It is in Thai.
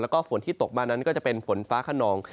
แล้วก็ฝนที่ตกมานั้นก็จะเป็นฝนฟ้าขนอง